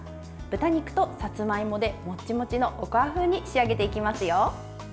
豚肉とさつまいもでモッチモチのおこわ風に仕上げていきますよ。